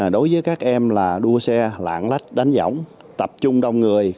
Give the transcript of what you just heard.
đối với các em đua xe lạng lách đánh giỏng tập trung đông người